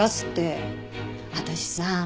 私さ